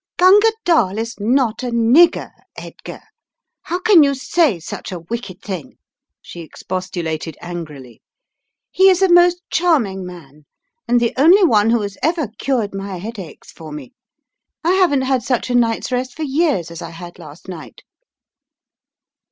"Gunga Dall is not a 'nigger/ Edgar. How can you say such a wicked thing !" she expostulated, angrily. "He is a most charming man, and the only one who has ever cured my headaches for me. I haven't had such a night's rest for years as I had last night."